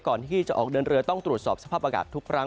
ก่อนที่จะออกเดินเรือต้องตรวจสอบสภาพอากาศทุกครั้ง